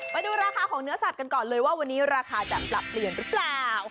มาดูราคาของเนื้อสัตว์กันก่อนเลยว่าวันนี้ราคาจะปรับเปลี่ยนหรือเปล่า